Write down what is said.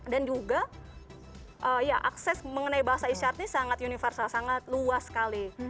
dan juga akses mengenai bahasa isyarat ini sangat universal sangat luas sekali